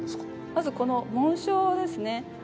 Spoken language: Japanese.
まずこの紋章ですね。